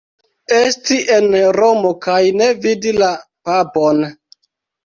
Esti en Romo kaj ne vidi la Papon.